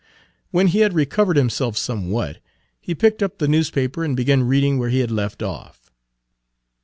When he had recovered himself somewhat, he picked up the newspaper and began reading where he had left off.